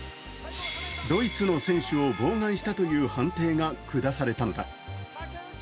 ドイツの選手を妨害したという判定が下されたのだ。